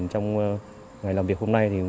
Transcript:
trong ngày làm việc hôm nay